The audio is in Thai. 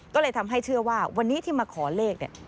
ก็เลยทำให้เชื่อว่าวันนี้ที่มาขอเลขเนี่ย